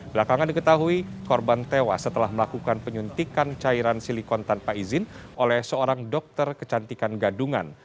belakangan diketahui korban tewas setelah melakukan penyuntikan cairan silikon tanpa izin oleh seorang dokter kecantikan gadungan